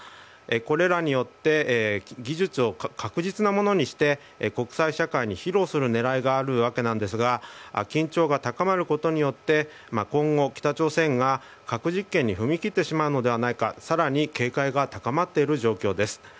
これらによって技術を確実なものにして国際社会に披露する狙いがあるわけですが緊張が高まることによって今後、北朝鮮が核実験に踏み切ってしまうのではないかという警戒がさらに、高まっている状態です。